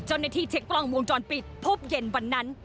เจ้าหน้าที่เท็กกล้องวงจรปิดพบเย็นวันนั้น